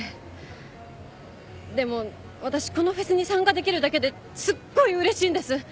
でも私このフェスに参加できるだけですっごいうれしいんです。